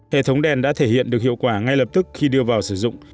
hệ thống đèn đã thể hiện được hiệu quả ngay lập tức khi đưa vào sử dụng